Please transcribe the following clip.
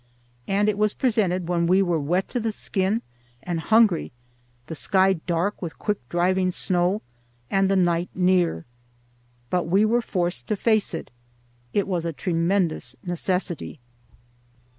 And it was presented when we were wet to the skin and hungry, the sky dark with quick driving snow, and the night near. But we were forced to face it. It was a tremendous necessity.